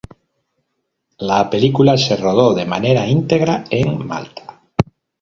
La película se rodó de manera íntegra en Malta.